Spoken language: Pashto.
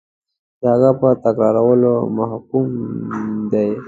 د هغه په تکرارولو محکوم دی.